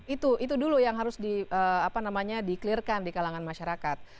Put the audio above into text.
itu itu dulu yang harus di apa namanya di clearkan di kalangan masyarakat